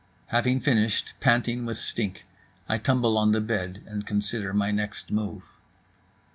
Having finished, panting with stink, I tumble on the bed and consider my next move.